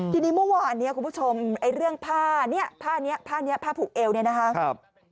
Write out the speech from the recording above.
ทีนี้เมื่อวานนี้คุณผู้ชมเรื่องผ้านี้ผ้าผูกเอวนี่นะคะ